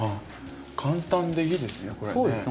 簡単でいいですねこれね。